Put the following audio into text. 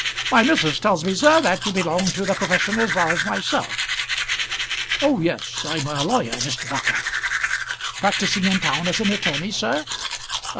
"My missus tells me, sir, that you belong to the profession as well as myself." "Oh yes; I'm a lawyer, Mr. Dockwrath." "Practising in town as an attorney, sir?"